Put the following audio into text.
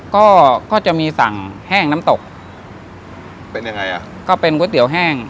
ก็ก็จะมีสั่งแห้งน้ำตกเป็นยังไงอ่ะก็เป็นก๋วยเตี๋ยวแห้ง